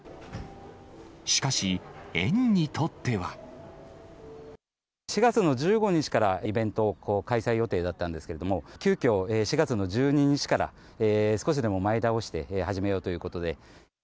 しかし、４月の１５日からイベントを開催予定だったんですけれども、急きょ、４月の１２日から、少しでも前倒して始めようということで。